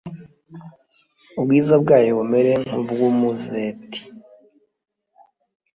ubwiza bwayo bumere nk’ubw’umuzeti,